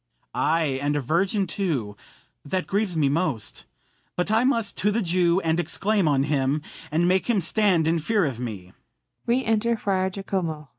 Ay, and a virgin too; that grieves me most. But I must to the Jew, and exclaim on him, And make him stand in fear of me.